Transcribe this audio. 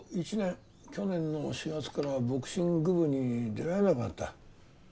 去年の４月からはボクシング部に出られなくなった。